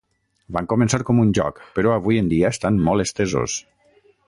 Van començar com un joc, però avui en dia estan molt estesos.